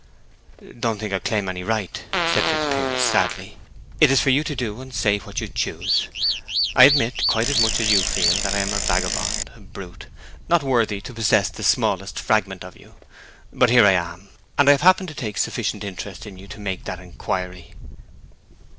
"Don't think I claim any right," said Fitzpiers, sadly. "It is for you to do and say what you choose. I admit, quite as much as you feel, that I am a vagabond—a brute—not worthy to possess the smallest fragment of you. But here I am, and I have happened to take sufficient interest in you to make that inquiry."